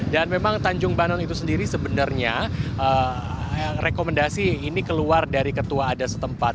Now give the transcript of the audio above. dan memang tanjung banon itu sendiri sebenarnya rekomendasi ini keluar dari ketua adat setempat